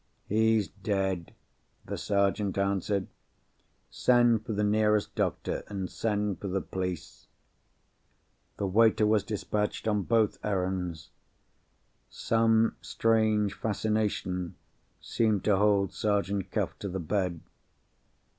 "He's dead," the Sergeant answered. "Send for the nearest doctor, and send for the police." The waiter was despatched on both errands. Some strange fascination seemed to hold Sergeant Cuff to the bed.